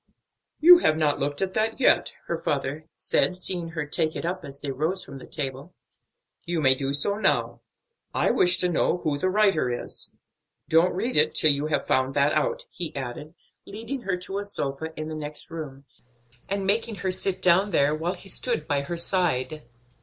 "You have not looked at that yet," her father said, seeing her take it up as they rose from the table. "You may do so now. I wish to know who the writer is. Don't read it till you have found that out," he added, leading her to a sofa in the next room, and making her sit down there, while he stood by her side.